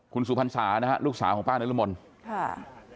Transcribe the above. คุณสุภัณฑ์สานะฮะลูกสาวของป้าเนื้อลมนค่ะ